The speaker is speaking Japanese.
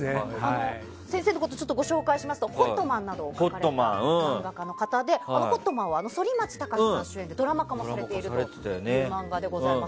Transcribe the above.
先生のことをご紹介しますと「ホットマン」などを描かれた漫画家の方で「ホットマン」は反町隆史さん主演でドラマ化もされている漫画でございます。